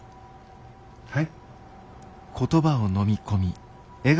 はい？